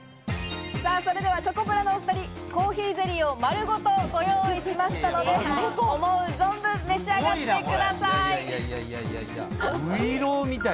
チョコプラのお２人、コーヒーゼリーを丸ごとご用意しましたので思う存分召し上がってください。